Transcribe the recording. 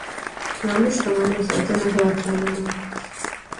د عامه شتمنیو ساتنه هېوادپالنه ده.